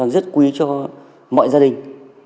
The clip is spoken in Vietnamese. rất quý cho mọi gia đình